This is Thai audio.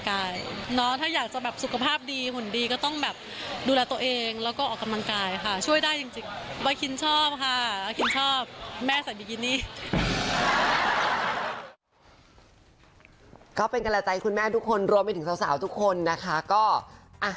ก็เป็นกำลังใจคุณแม่ทุกคนรวมไปถึงสาวทุกคนนะคะก็อ่ะ